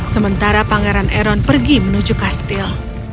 sementara pangeran eron pergi menuju kastil